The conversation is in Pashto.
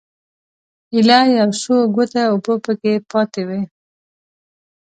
ایله یو څو ګوټه اوبه په کې پاتې وې.